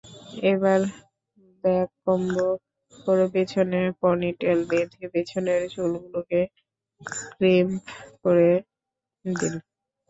এবার ব্যাককোম্ব করে পেছনে পনিটেল বেঁধে পেছনের চুলগুলোকে ক্রিম্প করে দিন।